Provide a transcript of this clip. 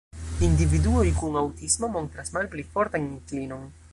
Individuoj kun aŭtismo montras malpli fortan inklinon.